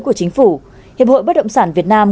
của chính phủ hiệp hội bất động sản việt nam